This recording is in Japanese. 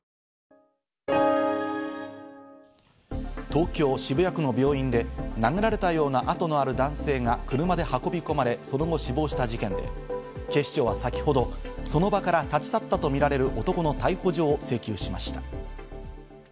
東京・渋谷区の病院で殴られたような痕のある男性が車で運び込まれ、その後死亡した事件で、警視庁は先ほどその場から立ち去ったとみられる男の逮捕状を請求しました。